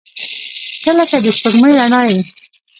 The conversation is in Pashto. • ته لکه د سپوږمۍ رڼا یې.